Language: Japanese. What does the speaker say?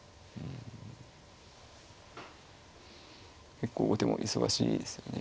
結構後手も忙しいですよね